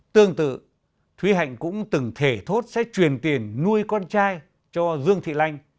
tương tự thúy hạnh cũng từng thể thốt sẽ truyền tiền nuôi con trai cho dương thị lanh